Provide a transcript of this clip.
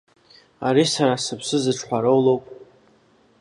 Ари сара сыԥсы зыҿҳәароу лоуп.